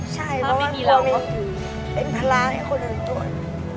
ใช่เพราะว่าเป็นภาระให้คนอื่นด้วย